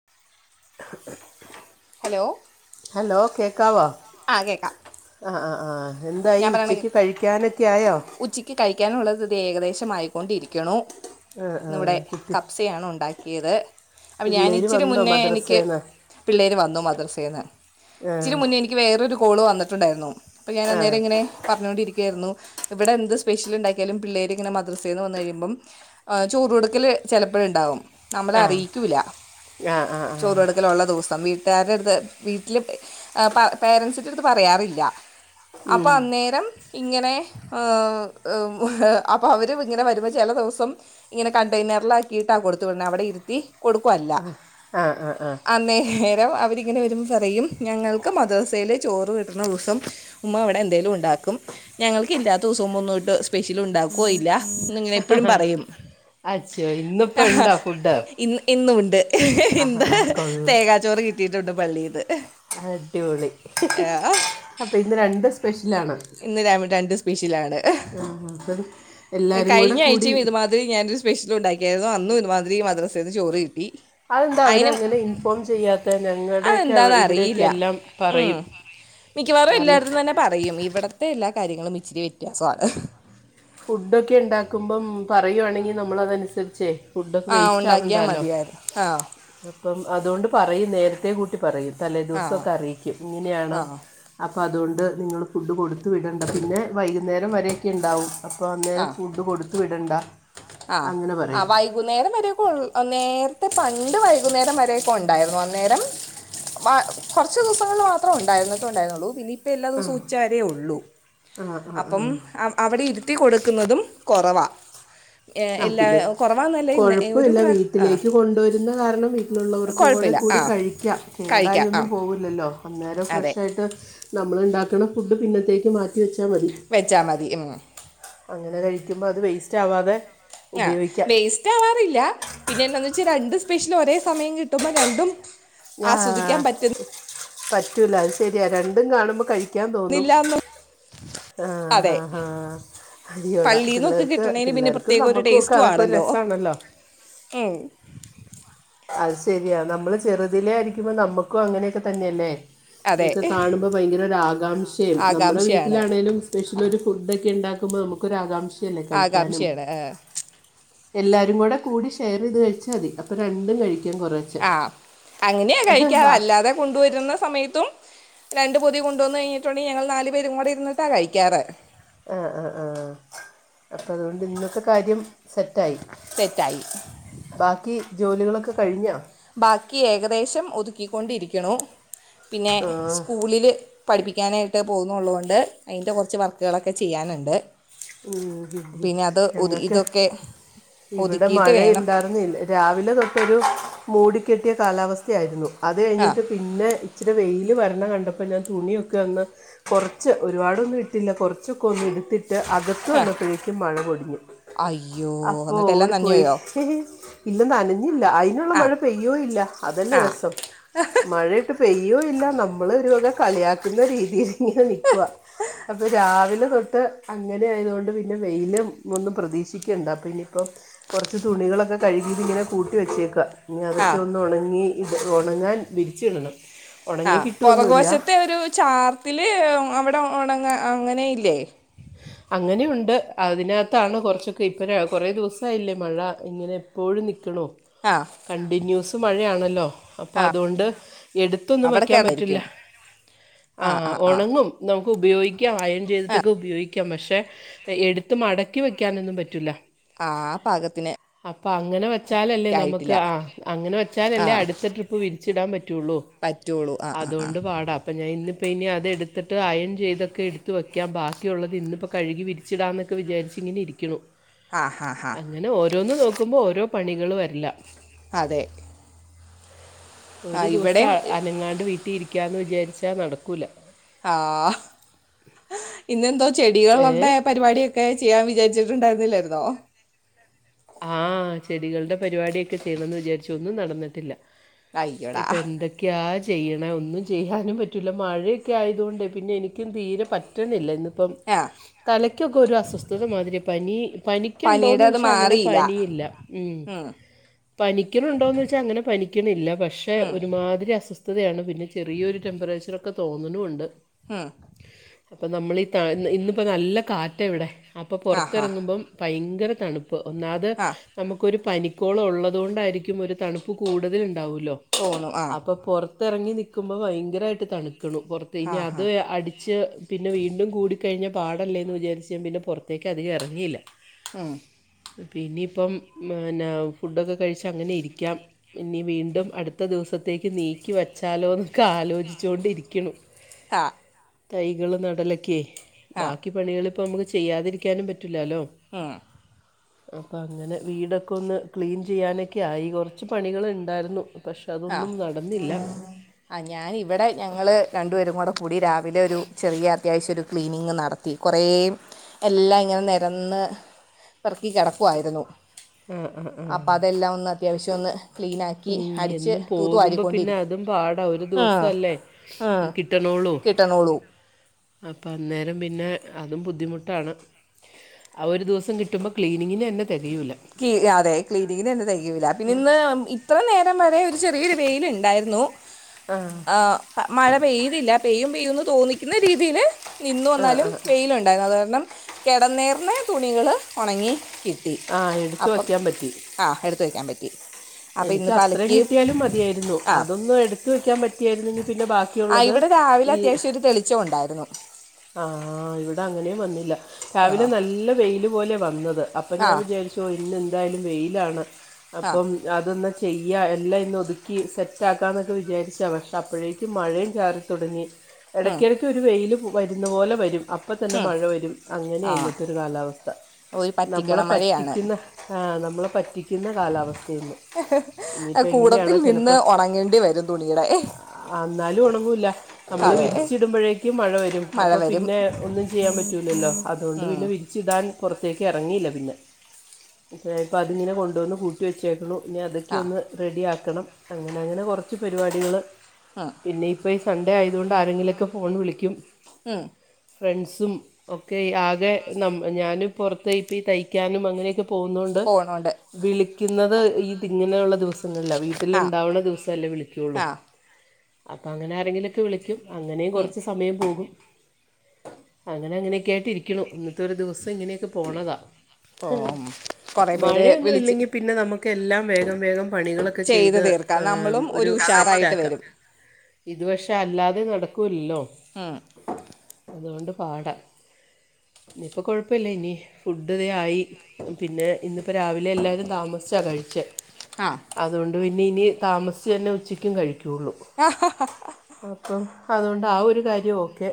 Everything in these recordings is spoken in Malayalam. [inaudible] ഹലോ ഹലോ കേക്കാവോ ആഹ് കേക്കാം ആഹ് ആഹ് ആഹ് എന്തായീ ഉച്ചക്ക് കഴിക്കാനൊക്കെ ആയോ ക്ക് കഴിക്കാനുള്ളത് ഇത് ഏകദേശം ആയിക്കൊണ്ടിരിക്ക്ണു ആ ആ ഇന്ന്വ്ടെ കുട്ടി കപ്സയാണ് ഉണ്ടാക്കിയത്. അപ്പ ഞാൻ പിള്ളേർ ഇച്ചിരി വന്നോ മുന്നേ എനിക്ക് മദ്രസേന്ന് പിള്ളേര് വന്നു മദർസേന്ന് ആഹ് എനിക്ക് വേറൊരു കോള് വന്നിട്ടുണ്ടായിരുന്നു അപ്പം ഞാൻ ആ അന്നേ ന്നേ പറഞ്ഞോണ്ടിരിക്കുവായിരുന്നു ഇവിടെ എന്ത് സ്പെഷ്യല് ഇണ്ടാക്കിയാലും പിള്ളേര് ഇങ്ങനെ മദ്രസേന്ന് വന്ന് കഴിയുമ്പം ആഹ് ചോറൊടുക്കല് ചെലപ്പഴിണ്ടാവും ആ നമ്മളറിയിക്കൂല്ല ആ ആ ആ ചോറ് കൊടുക്കലൊള്ള ദിവസം വീ വീട്ടാരട്ത്ത് വീട്ടില് അ പ പേരൻസിന്റെടുത്ത് പറയാറില്ല അപ്പ ഉം. അന്നേരം ഇങ്ങനെ ഏഹ് ഇഹ് ഉം അപ്പം അവരും ഇങ്ങനെ വരുമ്പം ചെല ദിവസം ഇങ്ങനെ കണ്ടെയ്നെർലാക്കിയിട്ടാ കൊടുത്ത് വിട്ണെ അവടെ ഇരുത്തി കൊടുക്കുവല്ല ആ ആ ആ അന്നേ രം അവരിങ്ങനെ വരുമ്പം പറയും ഞങ്ങൾക്ക് മദ്റസേല് ചോറ് കിട്ട്ണ ദിവസം ഉമ്മ വടെ എന്തേലും ഉണ്ടാക്കും ഞങ്ങൾക്ക് ഇല്ലാത്ത ദിവസം ഉമ്മ ഒന്നൂട്ട് സ്പെഷ്യല് ഉണ്ടാക്കൊവില്ല എന്നിങ്ങനെ എപ്പഴും പറയും അച്ഛോ ഇന്നിപ്പോൾ ഉണ്ടോ ഫുഡ് ഇന്ന് ഇന്നുവുണ്ട് ആ ഇന്ത് ആ കൊള്ള തേങ്ങാച്ചോറ് കിട്ടിയിട്ടുണ്ട് പള്ളീന്ന് അടിപൊളി അപ്പം ഇന്ന് രണ്ട് സ് ഇന്ന് ര രണ്ടും സ്പെഷ്യലാണ് ആ അപ്പം എല്ലാവരും കൂടെ കഴിഞ്ഞ കൂടി ആഴ്ചയും ഇത് മാ തിരി ഞാനൊരു സ്പെഷ്യലും ഉണ്ടാക്കിയാര്ന്നു അന്നും ഇതുമാതിരി മദ്രസേന്ന് ചോറ് കിട്ടി അതെന്താ അവര് അതിനും അങ്ങനെ ഇൻഫോം ചെയ്യാത്തെ ഞങ്ങടെക്കെ ഇവ് അതെന്താണെന്ന് ഇവിടെയൊക്കെ അറിയില്ല എല്ലാം ഉം. പറയും മിക്കവാറും കാരണം എല്ലായിടത്തും തന്നെ പറയും ഇവിടത്തെ എല്ലാ കാര്യങ്ങളും ഇച്ചിരി വ്യത്യാസവാണ് ഫുഡൊക്കെ ഉണ്ടാക്കുമ്പം പറയുവാണെങ്കി നമ്മളതനുസരിച്ചേ ഫുഡൊക്കെ ആ വേസ്റ്റ് ഉണ്ടാക്കിയാൽ ആവണ്ടാല്ലോ മതിയായിരുന്നു ആ അപ്പം അതോണ്ട് പറയും നേരത്തേ കൂട്ടി പറയും ആ തലേദിവസോക്കെ അറിയിക്കും ഇങ്ങനെയാണ് അപ്പം അതുകൊണ്ട് നിങ്ങള് ഫുഡ് കൊടുത്തു വിടണ്ട പിന്നെ വൈകുന്നേരം വരെയൊക്കെ ഇണ്ടാവും അപ്പ അന്നേരം ഫുഡ് കൊടുത്തു വിടണ്ട ആഹ് അങ്ങനെ അ പറയും വൈ വൈകുന്നേരം വരെയൊക്കെ ഒ ൾ നേരത്തെ പണ്ട് വൈകുന്നേരം വരെയൊക്കെ ഉണ്ടായിരുന്നു അന്നേരം മ്മാ കുറച്ച് ദിവസങ്ങിൽ മാത്രേ ഉണ്ടായിരുന്ന്ട്ട്ണ്ടായിരുന്നുള്ളൂ പിന്നി ത്തെ എല്ലാ ആ ദിവസവും ഉച്ചരേ ഒള്ളൂ ആ ആ അപ്പം ആ അവിടെ ഇരുത്തി കൊടുക്കുന്നതും കൊറവാ ആഹ് പിന്നെ ഇന്ന് ഒരു കൊഴ്‌പ്പുവില്ല പ്ര ആ വീട്ടിലേക്ക് കൊണ്ടുവരുന്ന കാരണം ട്ടിലുള്ളവർക്ക്‌ കൂടെ കുഴപ്പമില്ല ആ കൂടി കഴിക്കാം കേടായി കഴിക്കാം ആ ഒന്നും പോവില്ല ല്ലോ അന്നേരം അതെ ഫ്രഷ് ആയിട്ട് നമ്മൾ ഉണ്ടാക്കുന്ന ഫുഡ് പിന്നത്തേക്ക് മാറ്റി വെച്ചാൽ മതി വെച്ചാൽ മതി ഉം അങ്ങനെ കഴിക്കുമ്പോ അത് വേസ്റ്റ് ആവാതെ ആഹ് ഉപയോഗിക്കാം വേസ് കിട്ടാവാറില്ല പിന്നെന്താന്ന് വെച്ചാ രണ്ട് സ്പെഷ്യൽ ഒരേ സമയം കിട്ടുമ്പോ രണ്ടും ആസ്വദിക്കാൻ ആഹ് പറ്റൂല അത് ശെരിയാ രണ്ടും കാണുമ്പോ കഴിക്ക പിക്കാൻ തോന്നും പറ്റുന്നില്ല എന്ന് അതെ ആഹഹ അതിയോളാ പള്ളീന്നൊക്കെ പിള്ളേർക്ക് കിട്ടണേന് പിന്നെ പിള്ളേർക്കും പ്രത്യേക നമ്മുക്കും ഒക്കെ അതൊക്കെ ഒരു രസണല്ലോ ഏയ് അത് ശരിയാ നമ്മള് ചെറുതിലെ ആയിരിക്കുമ്പോ നമ്മുക്കും അങ്ങനെയൊക്കെ തന്നെയല്ലേ അതെ ഇതൊക്കെ കാണുമ്പോ ഭയങ്കരൊ ഒരു ആകാംക്ഷയും നമ്മുടെ ആകാംക്ഷയാണ് വീട്ടിലാണേലും സ്പെഷ്യൽ ഒരു ഫുഡൊക്കെ ഉണ്ടാക്കുമ്പോൾ നമുക്കൊരാകാംക്ഷല്ലേ കഴിക്കാനും ആകാംക്ഷയാണ് എല്ലാരും കൂടെ കൂടി ഷെയർ ചെയ്ത് കഴിച്ചാ മതി അപ്പൊ രണ്ടും കഴിക്കാൻ കുറേ ആഹ് അങ്ങനെയാ കഴിക്കാറ അല്ലാതെ കൊണ്ടുവരുന്ന സമയത്തും രണ്ട് പൊതി കൊണ്ടുവന്നു കഴിഞ്ഞിട്ടുണ്ടെിൽ ഞങ്ങ നാല് പേും കൂടെ ഇരുന്നട്ടാണ് കഴിക്കാറ് ആ ആ ആ അപ്പൊ അതുകൊണ്ട് ഇന്നത്തെ കാര്യം സെറ്റായി സെറ്റായി ബാക്കി ജോലികളൊക്കെ കഴിഞ്ഞോ ബാക്കി ഏകദേശം ഒതുക്കിക്കൊണ്ടിരിക്കണു പിന്നെ ആ സ്കൂളില് പഠിപ്പിക്കാനായിട്ട് പോകുന്നുള്ളതുകൊണ്ട് അതിൻ്റെ കുറച്ച് വർക്കുകളൊക്കെ ചെയ്യാനുണ്ട് ഉം പിന്നെ അത് ഒതു ഞങ്ങക്ക ഇതൊക്കെ ഇവിടെ ഒതുക്കിയിട്ട് മഴ വേണം ഉണ്ടായിരുന്നില്ലേ രാവിലെ തൊട്ടൊരു മൂടിക്കെട്ടിയ കാലാവസ്ഥയായിരുന്നു അത് ആ കഴിഞ്ഞിട്ട് പിന്നെ ഇച്ചിരി വെയില് വരണം കണ്ടപ്പോൾ ഞാൻ തുണിയൊക്കെ വന്ന് കുറച്ച് ഒരുപാടൊന്നും ഇട്ടില്ല കുറച്ചൊക്കെ ഒന്നും എടുത്തിട്ട് ഇത്ത് ആ വന്നപ്പോഴേക്കും മഴ പൊടിഞ് അയ്യോ അപ്പോ എന്നിട്ട് എല്ലാം ഓടി നനഞ്ഞു പോയി പോയോ ഇല്ലെ നനഞ്ഞില്ല അതിനുള്ള ആ മഴ പെയ്യോ ഇല്ല അതല്ലേ ആ രസം മഴ ഇട്ട് പെയ്യോ ഇല്ല നമ്മൾ ഒരുവക കളിയാക്കുന്ന രീതിയിൽ ഇങ്ങനെ നിക്കുഅ അപ്പം രാവിലെ തൊട്ട് അങ്ങനെ ആയതുകൊണ്ട് പിന്നെ വെയിലം ഒന്നും പ്രതീക്ഷിക്കണ്ട പിനിയിപ്പം കുറച്ച് തുണികളൊക്കെ കഴുകിത് ഇങ്ങനെ കൂട്ടി വെച്ചേക്ക ഇനി ആ അതൊക്കെ ഒന്ന് ഉണങ്ങി ഇത് ഉണങ്ങാൻ വിരിച്ച ഇടണം ആ പുറകോശത്തെ ഒരു ചാർത്തില് അവിടെ ഉണങ്ങ അങ്ങനെ ഇല്ലേ [inaudible] അങ്ങനെയുണ്ട് അതിനകത്താണ് കുറച്ചൊക്കെ ഇപ്പ കുറേ ദിവസമായില്ലേ മഴ ഇങ്ങനെ പ്പോഴി നിക്കണോ ആഹ് കണ്ടിന്യൂസ് മഴയാണല്ലോ അപ്പ ആ അതുകൊണ്ട് എടുത്തൊന്നും അവിടെ വയ്ക്കാൻ പറ്റില്ല കിടന്നായിരിക്കും ആ ആ ആഹ് ആ ഒണങ്ങും നമുക്ക് ഉപയോഗിക്കാം അയണ് ചെയ്തി ആ ട്ടൊക്കെ ഉപയോഗിക്കാം പക്ഷെ എടുത്ത് മടക്കി വെക്കാനൊന്നും പറ്റൂല ആഹ് പകത്തി അപ്പൊ അങ്ങനെ വെച്ചാലല്ലേ നമുക്ക് ആ അങ്ങനെ ആ വെച്ചാലല്ലേ അടുത്ത ട്രിപ്പ് പ്പ വിരിച്ചിടാൻ പറ്റുള്ളൂ പറ്റുള്ളൂ ആ ആ ആ അതുകൊണ്ട് പാടാം അപ്പം ഞാൻന്നിപ്പോ ഇനി അത് എടുത്തിട്ട് അയൺ ചെയ്തൊക്കെ എടുത്ത് വയ്ക്കും ബാക്കിയുള്ളത് ഇന്നിപ്പോ കഴുകി വിരിച്ചിടാന്നൊക്കെ വിചാരിച്ച് ഇങ്ങനെ ഇരിക്കുന്നു ആ ഹാ ഹാ അങ്ങനെ ഓരോന്ന് നോക്കുമ്പോൾ ഓരോ പണികള് വരില്ല അതെ ആ ഒരു ദിവസം ഇവിടെയും അനങ്ങാണ്ട് വീട്ടിൽ ഇരിക്കാന്ന് വിചാരിച്ചാ നടക്കൂല ആ ഇന്നെന്തോ ഏ ചെടികളടെ പരിപാടിയക്കെ ഒക്കെ ചെയ്യാൻ വിചാരിച്ചിട്ടുണ്ടായിരുന്നില്ലായിരുന്നോ ആഹ് ചെടികള്ടെ പരിപാടി ഒക്കെ ചെയ്യ്ണംന്ന് വിചാരിച്ചൊന്നും നടന്ന്ട്ട്ല്ല അയ്യോടാ ഇപ്പെ എന്റെ ക്ക്യാ ചെയ്യ്ണെ. ഒന്നും ചെയ്യാനും പറ്റില്ല. മഴയൊക്കെ ആയതു കൊണ്ട് പിന്നെ എനിക്കും തീരെ പറ്റ പറ്റ്ണില്ല ഇന്നിപ്പം ആ തലയ്ക്കൊക്കെ ഒരു അസ്വസ്ഥത മാതിരി. പനി പനിക്ക്യുണ്ടോന്ന് പനിയുടെ അത് ചോച്ചാ അങ്ങനെ മാറിയില്ല പനിയില്ല ഉം പനിക്ക്ണ് ഇണ്ടോന്ന് വെച്ചാ അങ്ങനെ പനിക്ക്ണില്ല പക്ഷേ ഉം. പക്ഷെ ഒരുമാതിരി അസ്വസ്ഥതയാണ്. പിന്നെ ചെറിയൊരു ടെമ്പറേച്ചറൊക്കെ തോന്ന്ണൂണ്ട്. അഹ് അപ്പം നമ്മളീ ഇന്ന് ഇപ്പം നല്ല കാറ്റ ഇവിടെ അപ്പം ആ ഹാ പൊറത്തെറങ്ങുമ്പം പൈങ്കര തണുപ്പ് ഒന്നാത് ആ നമുക്കൊരു പനിക്കോള ഒള്ളതു കൊണ്ടായിരിക്കും ഒരു തണുപ്പ് കൂടുതല് ഉണ്ടാവൊല്ലോ തോന്നും ആ അപ്പൊ പൊറത്തെറങ്ങി നിക്കുമ്പോ ഭയങ്കരായിട്ട് തണുക്ക്ണു പൊറത്ത് ആ ഇനി അത് ഹാ അടിച്ച് പിന്നെ വീണ്ടും കൂടി കഴിഞ്ഞാ പാടെല്ലെ ഇന്ന് വിചാരിച്ചാ പിന്നെ പൊറത്തേക്ക് അധികം എറങ്ങിയില്ല. ഉം പിന്നി ഇപ്പം എന്നന്നാ ഫുഡൊക്കെ കഴിച്ചാ അങ്ങനെ ഇരിക്കാം ഇനി വീണ്ടും അടുത്ത ദിവസത്തേക്ക് നീക്കി വച്ചാലോ ഇന്നൊക്കെ ആലോചിച്ചു കൊണ്ടിരിക്ക്ണു ആഹ് തൈകള് നടലൊക്കെ. ആ ബാക്കി പണികള് ഇപ്പം നമുക്ക് ചെയ്യാതിരിക്കാനും പറ്റുല്ലാലോ ഉം അപ്പൊ അങ്ങനെ വീടൊക്കെ ഒന്ന് ക്ലീൻ ചെയ്യാനൊക്കെ ആയി കൊറച്ച് പണികള് ഉണ്ടായിരുന്നു പക്ഷെ അതൊന്നും അഹ് നടന്നില്ല ആഹ് ഞാനിവടെ ഞങ്ങള് രണ്ടു പേരും കൂടെ കൂടി രാവിലെ ഒരു ചെറിയ അത്യാവശ്യം ഒരു ക്ലീനിങ് നടത പത്തി കൊറേ എല്ലാ ഇങ്ങനെ നെരന്ന് എറക്കി കെടക്കുവായിരുന്നു ആ ആ ആ അപ്പം അതെല്ലാം ഒന്ന് അത്യാവശ്യം ഒന്ന് ക്ലീനാക്കി അടിച്ച് ഇന്നും പോകുമ്പ പിന്നെ തൂത്തുവാരിക്കൊണ്ടിരിക്കും അതും പാടാ. ഒരു ഉം, ദിവസംല്ലേ ഉം. കിട്ടണൊള്ളൂ. കിട്ടണോളൂ അപ്പം അന്നേരം പിന്നെ അതും ബുദ്ധിമുട്ടാണ് ആഹ് ഒരു ദിവസം കിട്ടുമ്പ ക്ലീനിങ്ങിന്നെന്നെ തെകയൂല്ല ക് അതെ ക്ലീനങ്ങിനെന്നെ തെയ്യൂല്ല. പിന്നെ ഇന്ന് ഇത്ര നേരം വരെ ഒരു ചെറീയൊരു വെയിലുണ്ടായിരുന്നു ആഹ് മഴ പെയ്തില്ല പെയ്യും പെയ്യുംന്ന് തോന്നിക്കുന്ന രീതിയില് നിന്നു ആ എന്നാലും ആ വെയിലുണ്ട് ഉണ്ടായിര്ന്നു അത് കാര്ണം കെടെന്നേർന്ന തുണികള് ഒണങ്ങി കിട്ടി ആ എടുത്ത് വയ്ക്കാൻ പറ്റി ആ എടുത്ത് വയ്ക്കാൻ പറ്റി അപ്പം എനിക്ക് ഇന്നിപ്പം അത്രയും അലക്കി കിട്ടിയാലും മതിയായ്ര്ന്നു. ആഹ് അതൊന്നും എടുത്ത് വെക്കാൻ പറ്റിയായിരുന്നെങ്കി പിന്നെ ബാക്കിയള്ള ആ ഇവടെ രാവിലെ അത്യാവശ്യം ച്ചൊ ഉണ്ടായിര്ന്നു ആഹ് ഇവിടെ അങ്ങനെയും വന്നില്ല. രാവിലെ ആഹ് നല്ല വെയില് പോലെ വന്നത് അപ്പം ഞാൻ ആഹ് വിചാരിച്ചു. ഇന്ന്എന്തായാലും വെയിലാണ് ആഹ് അപ്പം അതൊന്ന് ചെയ്യ. എല്ലാ ഇന്ന് ഒതുക്കി സെറ്റാക്കാ ഇന്നൊക്കെ വിചാരിച്ചാണ്. പക്ഷേ അപ്പഴേക്കും മഴയും ചാറി തുടങ്ങി. ഉം എടക്ക് എടക്ക് ഒരു വെയില് വരുന്നെ പോലെ വരും അപ് ഇപ്പ തന്നെ ഉം മഴ വെരും. അങ്ങനെ ആഹ് ഇന്നത്തെ ഒരു കാലാവസ്ഥ ഒരു പറ്റിക്കണ നമ്മളെ മഴയാണ് പറ്റിക്കുന്ന ആഹ് നമ്മളെ പറ്റിക്കുന്ന കാലാവസ്ഥെ ഇന്ന് ഇനിയിപ്പ എങ്ങനെയാണ്. കൂടത്തിൽ ചെലപ്പോ നിന്ന് ഉണങ്ങേണ്ടി വരും തുണിയുടെ ഇന്നാലും ഒണങ്ങൂല്ല നമ്മള് അതെ വിരിച്ചിടുമ്പഴേക്കും മഴ വെരും. മഴ അപ്പൊ വരും പിന്നെ ഒന്നും ചെയ്യാൻ പറ്റൂലല്ലോ അതുകൊണ്ട് ഉം പിന്നെ. [unintelligible] തിരിച്ച്ടാൻ പൊറത്തേക്ക് എറങ്ങിയില്ല.. പിന്നെ ഇപ്പെ അതിങ്ങനെ കൊണ്ടോന്ന് കൂട്ടി വെച്ചേക്ക്ണു. ഇഞ്ഞ് അതെക്കെ ആഹ് ഒന്ന് റെഡി ആക്കണം. അങ്ങനെ അങ്ങനെ കൊറച്ച് പരിപാടികള്. ആഹ് പിന്നെ ഇപ്പെഴ് ഈ സൺഡേ ആയത് കൊണ്ട് ആരെങ്കിലൊക്കെ ഫോൺ വിളിക്ക്യും. ഉം ഫ്രണ്ട്സും ഒക്കെ ആകെ ഞാനും പുറത്ത് ഇപ്പ തയ്ക്കാനും അങ്ങനെയൊക്കെ പോകുന്നത്കൊണ്ട് പോണുണ്ട് വിളിക്കുന്നത് തി ഇങ്ങനെയുള്ള ദിവസങ്ങളില വീ ട്ടിൽ ആ ഉണ്ടാവുള്ള ദിവസമല്ലേ വിളിക്കയുള്ളൂ ആ അപ്പോൾ അങ്ങനെ ആരെങ്കിലുമൊക്കെ വിളിക്ക [unintelligible] അങ്ങനെയും ഉം കുറച്ച് സമയം പോകും. അങ്ങനെ അങ്ങനെയൊക്കെ ആയിട്ട് ഇരിക്കണു ഇന്നത്തെ ഒരു ദിവസം ഇങ്ങനെയൊക്കെ പോണതാ പോവും കുറേ പേര് മഴയൊന്നും വിളിച്ച് ഇല്ലെങ്കിൽ പിന്നെ നമുക്ക് എല്ലാം വേഗം വേഗം പണികളൊക്കെ ചെയ്ത് തീർക്കാം നമ്മളും ഒരു ഉഷാറായിട്ട് വരും ഇതു പക്ഷെ അല്ലാതെ നടക്കില്ലല്ലോ ഉം അതുകൊണ്ട് പാടാ ഇനിയിപ്പൾ കുഴപ്പമില്ല ഇനി ഫുഡ്‌ ഇതെ ആയി പിന്നെ ഇന്നപ്പോ രാവിലെ എല്ലാരും താമസിച്ചാ കഴിച്ചെ ആഹ് അതുകൊണ്ട് പിന്നെ ഇനി താമസിച്ച് തന്നെ ഉച്ചയ്ക്കും കഴിക്കുള്ളൂ ആഹ് അപ്പൊ അതുകൊണ്ട് ആഹ് ഒരു കാര്യം ഓക്കെ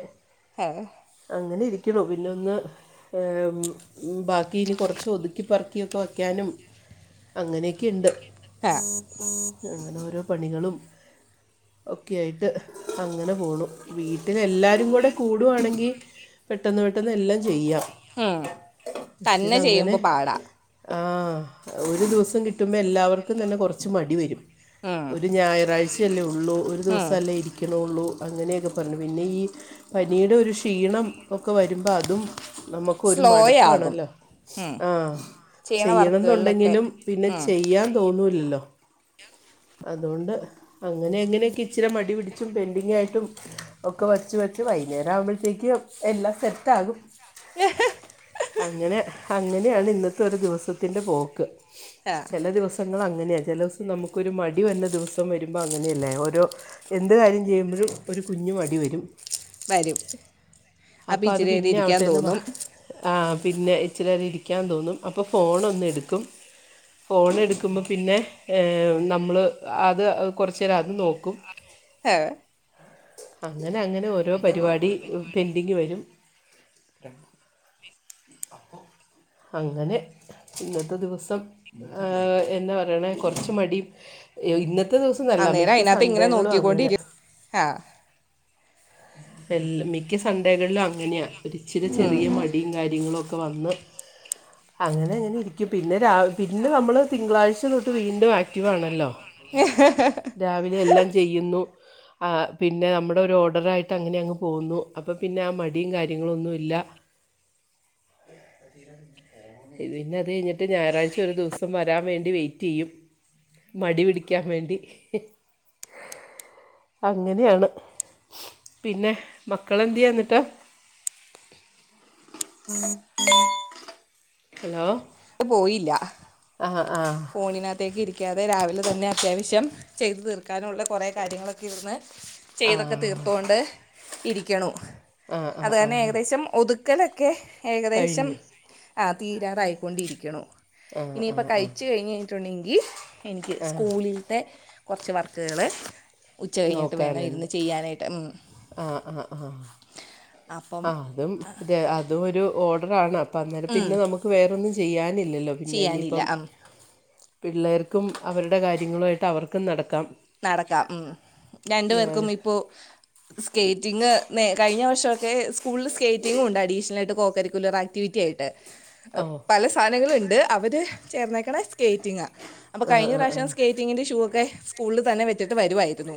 [unintelligible] അങ്ങനെ ഇരിക്കണു പിന്നെ ഒന്ന് ഉം ബാക്കി ഇനി കുറച്ച് ഒതുക്കിപ്പറിക്കിയൊക്കെ വയ്ക്കാനും അങ്ങനെയൊക്കെയുണ്ട് ആ അങ്ങനെ ഓരോ പണികളും ഒക്കെയ ആയിട്ട് അങ്ങനെ പോണു വീട്ടില് എല്ലാവരും കൂടെ കൂടുവാണെങ്കിൽ പെട്ടെന്ന് പെട്ടെന്ന് എല്ലാം ചെയ്യാം ഉം പക്ഷെ തന്നെ അതങ്ങനെ ചെയ്യുമ്പോൾ പാടാ ആഹ് ഒരു ദിവസം കിട്ടുമ്പോ എല്ലാവർക്കും തന്നെ കുറച്ച് മടി വരും. ഉം ഒരു ഞായറാഴ്ചയല്ലേ ഉള്ളൂ ഒരു ഉം ദിവസം അല്ലേ ഇ വണള്ളൂ അങ്ങനെയൊക്കെ പറഞ്ഞു പിന്നെ ഈ പനിയുടെ ഒരു ക്ഷീണം ഒക്കെ വരുമ്പോൾ അതും നമുക്ക് ഒരു സ്ലോ ആകും മടുപ്പാണല്ലോ. ഉം ആഹ് ചെയ്യണ വർക്കുകളിലൊക്കെ ചെയ്യണന്നുണ്ടെങ്കിലും പിന്നെ ഉം ചെയ്യാൻ തോന്നൂല്ലല്ലോ. അതുകൊണ്ട് അങ്ങനെ എങ്ങനെയൊക്കെ ഇച്ചിരി മടി പിടിച്ചും പെൻഡിങ്ങായിട്ടും ഒക്കെ വച്ച് വെച്ച് വൈകുന്നേരം ആവുമ്പോഴത്തേക്കും എല്ലാം സെറ്റ് ആകും [unintelligible] അങ്ങനെ അങ്ങനെയാണ് ഇന്നത്തെ ദിവസത്തിന്റെ പോക്ക് ആ ഞങ്ങൾ അങ്ങനെയാണ് ചില ദിവസം നമുക്കൊരു മടി വന്ന ദിവസം വരുമ്പോൾ അങ്ങനെയല്ലേ ഓരോ എന്ത് കാര്യം ചെയ്യുമ്പോഴും ഒരു കുഞ്ഞു മടി വരും. വരും അപ്പം അപ്പൊ അത് ഇച്ചിരി നേരം പിന്നെ ഇരിക്കാൻ ആവട്ടെന്ന് തോന്നും ആഹ് പിന്നെ ഇച്ചിരി നേരം ഇരിക്കാൻ തോന്നും അപ്പൊ ഫോണ് ഒന്ന് എടുക്കും ഫോൺ എടുക്കുമ്പോൾ പിന്നെ ഹേ നമ്മള് അത് കുറച്ചു നേരം അത് നോക്കും [unintelligible] അങ്ങനെ അങ്ങനെ ഓരോ പരിപാടി പെൻഡിങ് വരും അങ്ങനെ ഇന്നത്തെ ദിവസം എന്താ പറയണ കുറച്ച് മടി ആഹ് ഇന്നത്തെ ദിവസം നല്ല മിക്ക സൺഡേകളും അങ്ങനെ ഹാ ഹാ മിക്ക സൺഡേകളിലും അങ്ങനെയാ ഒച്ചിരി ഉം ചെറിയ മടിയും കാര്യങ്ങളും ഒക്കെ വന്ന് അങ്ങനെ അങ്ങനെ ഇരിക്കും പിന്നെ പിന്നെ നമ്മള് തിങ്കളാഴ്ച തൊട്ട് വീണ്ടും വാണല്ലോ രാവിലെ എല്ലാം ചെയ്യുന്നു ആഹ് പിന്നെ നമ്മടെ ഒര് ഓർഡർ ആയ് ട്ട് അങ്ങനെ അങ്ങ് പോന്നു അപ്പോ പിന്നെ ആഹ് മടിയും കാര്യങ്ങളും ഒന്നും ഇല്ല്യാ ഈ പിന്നെ അത് കഴിഞ്ഞിട്ട് ഞായറാഴ്ച ഒര് ദിവസം വേരാൻ വേണ്ടി വെയ് റ്റിയും മടി പിടിക്കാൻ വേണ്ടി അങ്ങനെയാണ് പിന്നെ മക്കള് എന്തേയ്യോ എന്നിട്ട് [unintelligible] അലോ ന്ന് പോയില്ലാ ആഹ് ആഹ് ഫോണിനത്തേക്ക് ഇരിക്കാതെ രാവിലെ തന്നെ അത്യാവിശ്യം ചെയ്ത് തീർക്കാനോണ്ട് കൊറെ കാര്യങ്ങളൊക്കെ ഇര്ന്ന് ആ ചെയ്തൊക്കെ തീർത്തൊണ്ട് ഇരിക്കണ്യാണു ആ ആ അത് ആ തന്നെ ഏകദേശം ഒത ക്കാലൊക്കെ ഏകദേശം കഴിഞ്ഞു ആഹ് തീരാറായിക്കൊണ്ടിരിക്ക്യാണു ആഹ് ആഹ് ആഹ് ച്ച് കയിഞ്ഞ് കയിഞ്ഞിട്ട് ഒണ്ടാങ്കി എനിക്ക് സ്കുളിത്തേ കൊറച്ച് വർക്കകള് ഉച്ചാ കഴിഞ്ഞിട്ട് വേണം ഇരുന്ന് ചെയ്യാനായിട്ട് ഉം ആഹ് ആഹ് ആഹ് അപ്പം ആഹ് അതും അതും ഒര് ഓഡാറാണ് അപ്പം അന്നേരം പിന്നെ നമ്മക്ക് വേറൊന്നും ചെയ്യാനില്ലാ അല്ലോ പിന്നെ ഇനി ഇപ്പം ചെയ്യാനില്ല പിള്ളേർക്കും അവരുടെ കാര്യങ്ങളുമായിട്ട് അവർക്കും നടക്കാം നടക്കാം ഉം രണ്ട് ഞാൻ പേർക്കും ഇപ്പോ സ്കേറ്റിംഗങ് നെ കഴിഞ്ഞാ വർഷമൊക്കെ സ്കൂളിള് സ്കേറ്റിങ്ങും ഒണ്ട് അഡീഷണല് ആയിട്ട് കോ കരിക്കുലർ ആക്ടിവിറ്റി ആയിട്ട് ഓ പല സാനങ്ങളും ഇണ്ട് അവര് ചേർന്നേക്കാണ സ്കേറ്റിംങ്ങാ അപ്പോ ആ കഴിഞ്ഞ ആ ആ പ്രാവശ്യം സ്കേറ്റിങ്ങിൻ്റെ ഷൂ ഒക്കെ സ്കൂളില് തന്നെ വെച്ചിട്ട് വെരുവാരുന്നു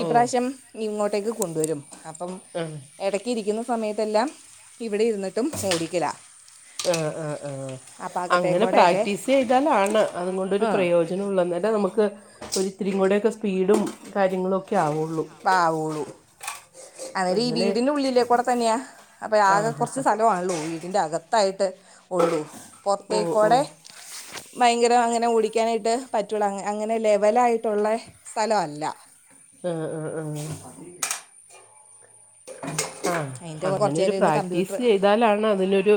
ഈ ഓ പ്രാവിശ്യം ഇങ്ങോട്ടേക്ക് കൊണ്ട് വെരും അപ്പം [unintelligible] എടക്ക് ഇരിക്കുന്ന സമയത്ത് എല്ലാം ഇവടെ ഇര്ന്നിട്ടും [unintelligible] ആഹ് ആഹ് ആഹ് അങ്ങനെ അകത്തേക്കൂടെയൊക്കെ പ്രാക്ടീസ് ചെയ്തലാണ് അതും കൊണ്ടര് ആ പ്രയോജ ഉള്ളാ നമ്മക്ക് ഒര് ഇത്തിരിയും കൂടെക്കെ സ്പീഡും കാര്യങ്ങളും ഒക്കെ ആവു ഒള്ളൂ ബാവുള്ളു അന്നേരം ഈ അങ്ങനെ വീടിന് ഉള്ളിലേക്കൂടെ തന്നെയാ അപ്പം ആ ആകെ ഹാ കൊറച്ച് ഹാ സ്ഥലമാണല്ലോ വീടിൻ്റെ അകത്തായിട്ട് ഒള്ളൂ ഓ ഓ പോറത്തേക്കോടെ ബയങ്കര അങ്ങനെ ഓടിക്കാനായിട്ട് പറ്റുള്ളൂ അങ്ങനെ ലെവലായിട്ടുള്ള സ്ഥലം അല്ലാ ആഹ് ആഹ് ആഹ് ആഹ് ആഹ് അതിന്റെ അങ്ങനെ കുറച്ച് ഒര് നേരം ഇരുന്ന് പ്രാക്ടീസ് കമ്പ്യൂട്ടർ ചെയ്താലാണ് അതിനൊരു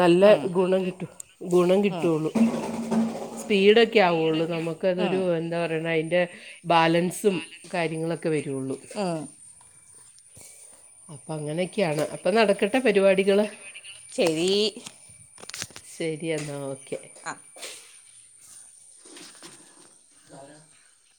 നല്ലാ ഗുണം കിട്ടു ഗുണം കിട്ടുള്ളു സ്പീഡ ഒക്കെ ആവോള്ളൂ നമ്മക്ക് അതൊരു എന്താ പറയണേ അയിന്റെ ബാലൻസും കാര്യങ്ങളൊക്കെ വേരുയുള്ളൂ അപ്പൊ അങ്ങനെയൊക്കെയാണ് അപ്പൊ നടക്കട്ടെ പരിപാടികള് ചെവി ശേരി എന്നാ ഓക്കെ ആഹ് [unintelligible]